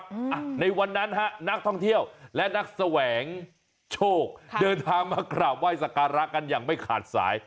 อ่ะในวันนั้นฮะนักท่องเที่ยวและนักแสวงโชคเดินทางมากราบไหว้สักการะกันอย่างไม่ขาดสาย